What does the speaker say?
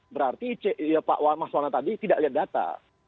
berarti pak mas wana tadi tidak lihat data